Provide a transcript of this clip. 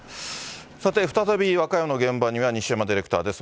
さて、再び和歌山の現場には、西山ディレクターです。